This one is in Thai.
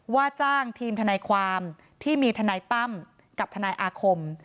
ว่าจ้างทีมทนายความที่มีทนายตั้มกับทนายอาคม